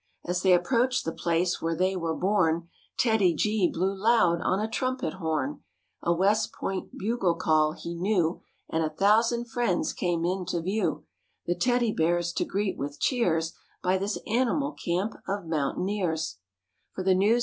As they approached the place where they were born TEDDY G blew loud on a trumpet horn A West Point bugle call he knew, And a thousand friends came into view, The Teddy Bears to greet with cheers By this animal camp of mountaineers; ILi C' i ll vw'i'"